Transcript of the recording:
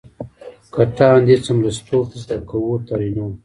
کټه اندي څملستوب زده کو؛ ترينو